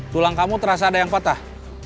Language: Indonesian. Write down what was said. tulang kamu terasa ada yang patah